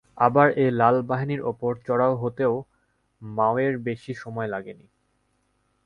আবার এই লাল বাহিনীর ওপর চড়াও হতেও মাওয়ের বেশি সময় লাগেনি।